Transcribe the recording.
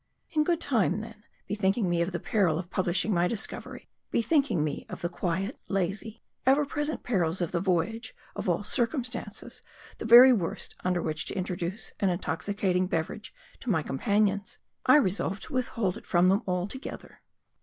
In good time, then, bethinking me of the peril of pub lishing my discovery ; bethinking me of the quiet, lazy, ever present perils of the voyage, of all circumstances, the very worst under which to introduce an intoxicating beverage to my companions, I resolved to withhold it from them altogether.